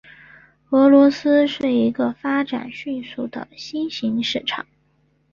俄罗斯是一个发展快速的新型市场。